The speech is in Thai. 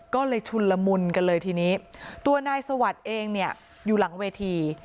ก็เลยชุนละมุนกันเลยทีนี้ตัวนายสวัสดิ์เองเนี่ยอยู่หลังเวที